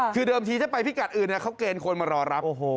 คือเดิมทีถ้าไปพิกัดอื่นเขาเกณฑ์คนมารอรับ